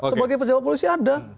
sebagai pejabat polisi ada